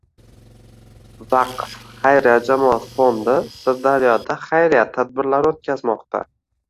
“Vaqf” xayriya jamoat fondi Sirdaryoda xayriya tadbirlari o‘tkazmoqda